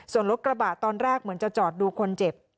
ส่วนรถกระบะตอนแรกเหมือนจะจอดดูคนเจ็บ